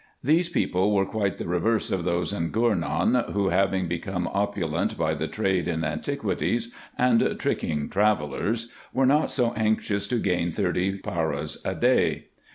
These people were quite the reverse of those in Gournou, who, having become opulent by the trade in antiquities, and tricking travellers, were not so anxious to gain thirty paras a day.